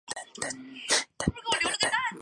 西格弗里德一世。